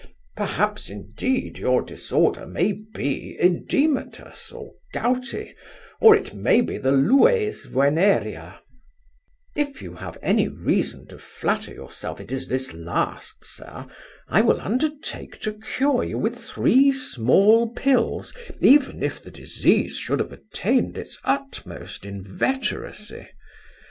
Perhaps, indeed, your disorder may be oedematous, or gouty, or it may be the lues venerea: If you have any reason to flatter yourself it is this last, sir, I will undertake to cure you with three small pills, even if the disease should have attained its utmost inveteracy.